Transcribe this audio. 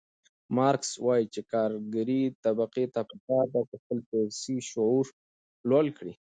مارکس وایي چې کارګرې طبقې ته پکار ده چې خپل سیاسي شعور لوړ کړي.